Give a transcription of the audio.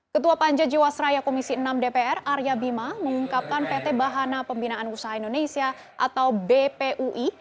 ketua panja jiwasraya komisi enam dpr arya bima mengungkapkan pt bahana pembinaan usaha indonesia atau bpui